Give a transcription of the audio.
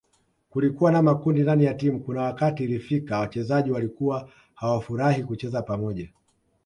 Kulikuwa na makundi ndani ya timu kuna wakati ilifika wachezaji walikuwa hawafurahii kucheza pamoja